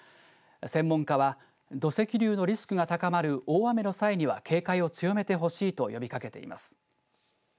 専門家は土石流のリスクが高まる大雨の際には警戒を強めてほしいと呼びかけています。